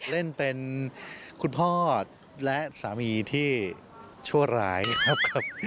เล่นเป็นคุณพ่อและสามีที่ชั่วร้ายครับ